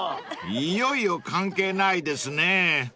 ［いよいよ関係ないですね］